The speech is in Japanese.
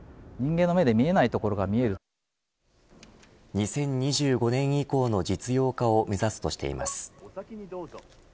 ２０２５年以降の実用化を目指すとしています。